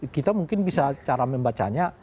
kita mungkin bisa cara membacanya